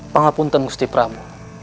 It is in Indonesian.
pengapunten gusti prabu